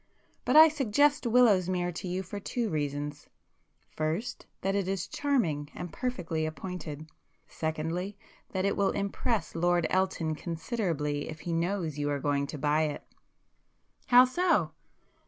But I suggest Willowsmere to you for two reasons,—first that it is charming and perfectly appointed; secondly, that it will impress Lord Elton considerably if he knows you are going to buy it." "How so?"